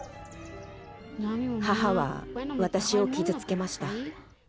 母は私を傷つけました。